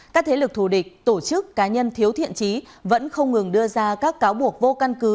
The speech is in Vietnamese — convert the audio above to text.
các thế lực thù địch tổ chức cá nhân thiếu thiện trí vẫn không ngừng đưa ra các cáo buộc vô căn cứ